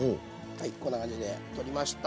はいこんな感じで取りました。